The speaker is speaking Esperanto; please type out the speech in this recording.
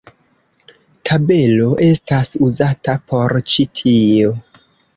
Tabelo estas uzata por ĉi tio.